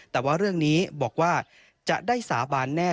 แต่ว่าเรื่องนี้บอกว่าจะได้สาบานแน่